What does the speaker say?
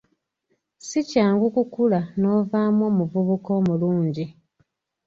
Si kyangu kukula novaamu omuvubuka omulungi.